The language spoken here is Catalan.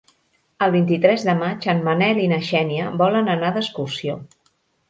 El vint-i-tres de maig en Manel i na Xènia volen anar d'excursió.